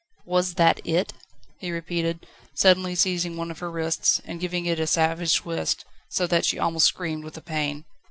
"Was that it?" he repeated, suddenly seizing one of her wrists, and giving it a savage twist, so that she almost screamed with the pain.